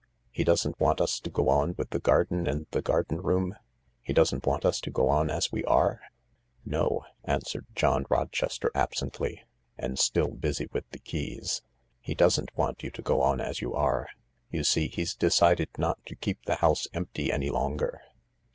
" He doesn't want us to go on with the garden and the garden room ? He doesn't want us to go on as we are ?"" No," answered John Rochester absently, and still busy with the keys. " He doesn't want you to go on as you are. You see, he's decided not to keep the house empty any longer.